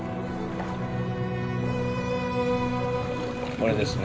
これですね。